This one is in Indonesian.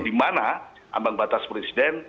dimana ambang batas presiden